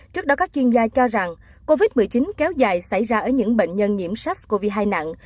trước đó các chuyên gia cho rằng covid một mươi chín kéo dài xảy ra ở những bệnh nhân nhiễm sars cov hai nặng